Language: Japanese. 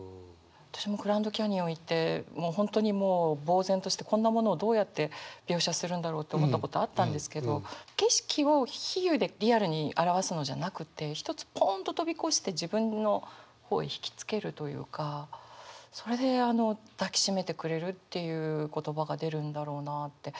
私もグランドキャニオン行って本当にもうぼう然としてこんなものをどうやって描写するんだろうって思ったことあったんですけど景色を比喩でリアルに表すのじゃなくてひとつぽんっと飛び越して自分の方へ引き付けるというかそれで「抱きしめてくれる」っていう言葉が出るんだろうなって。